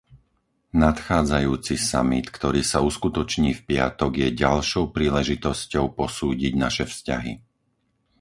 Nadchádzajúci samit, ktorý sa uskutoční v piatok, je ďalšou príležitosťou posúdiť naše vzťahy.